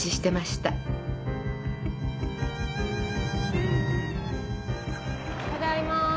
ただいま。